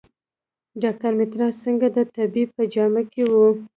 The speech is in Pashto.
ډاکټر مترا سینګه د طبیب په جامه کې و.